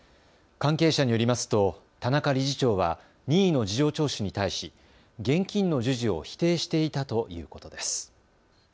関係者によりますと田中理事長は任意の事情聴取に対し現金の授受を否定していたということです。